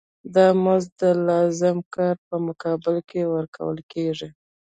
دا مزد د لازم کار په مقابل کې ورکول کېږي